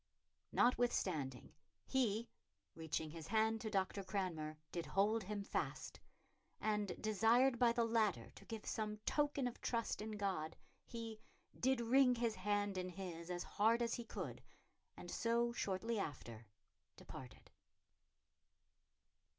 "Notwithstanding ... he, reaching his hand to Dr. Cranmer, did hold him fast," and, desired by the latter to give some token of trust in God, he "did wring his hand in his as hard as he could, and so, shortly after, departed."